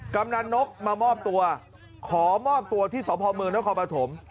กำนันต์นกมามอบตัวขอมอบตัวที่สอบภอมเมืองและครอบอาถม